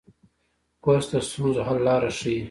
کورس د ستونزو حل لاره ښيي.